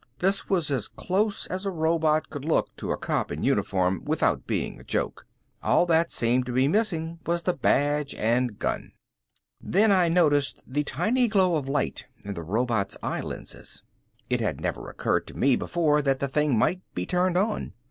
This was as close as a robot could look to a cop in uniform, without being a joke. All that seemed to be missing was the badge and gun. Then I noticed the tiny glow of light in the robot's eye lenses. It had never occurred to me before that the thing might be turned on.